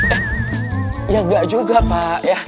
eh ya enggak juga pak ya